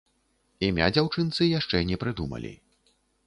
Імя дзяўчынцы яшчэ не прыдумалі.